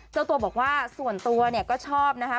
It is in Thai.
เจ้าตัวบอกว่าส่วนตัวเนี่ยก็ชอบนะคะ